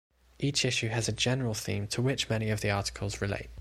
Each issue has a general theme to which many of the articles relate.